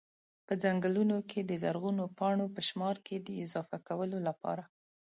په ځنګلونو کي د زرغونو پاڼو په شمار کي د اضافه کولو لپاره